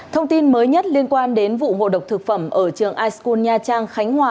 thông tin mới nhất liên quan đến vụ ngộ độc thực phẩm ở trường iskun nha trang khánh hòa